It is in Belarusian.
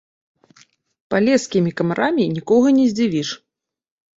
Палескімі камарамі нікога не здзівіш.